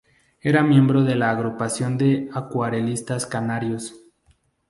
Era miembro de la Agrupación de Acuarelistas Canarios.